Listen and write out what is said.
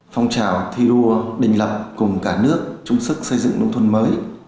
phong trào thi đua đình lập cùng cả nước chung sức xây dựng nông thôn mới